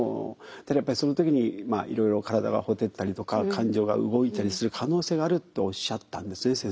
ただやっぱりその時にいろいろ体がほてったりとか感情が動いたりする可能性があるとおっしゃったんですよね